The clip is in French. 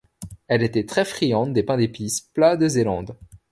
Elle était très friande des pains d’épice plats de Zélande.